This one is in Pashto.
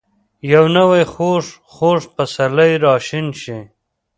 یو نوی ،خوږ. خوږ پسرلی راشین شي